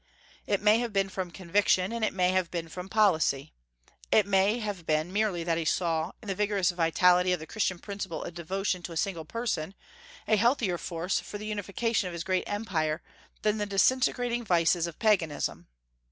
It may have been from conviction, and it may have been from policy. It may have been merely that he saw, in the vigorous vitality of the Christian principle of devotion to a single Person, a healthier force for the unification of his great empire than in the disintegrating vices of Paganism.